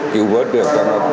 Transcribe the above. cứu vớt được bốn